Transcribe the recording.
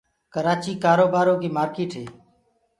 ڪرآچيٚ ڪآروبآرو ڪيٚ مآرڪيٚٽ هي